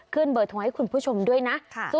เบอร์โทรให้คุณผู้ชมด้วยนะ